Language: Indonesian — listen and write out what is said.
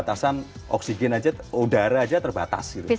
terbatasan oksigen saja udara saja terbatas